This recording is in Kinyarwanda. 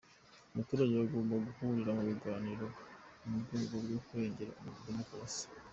Abaturage bagomba guhurira mu biganiro mu rwego rwo kurengera demokarasi.